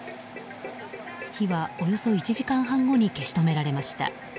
火はおよそ１時間半後に消し止められました。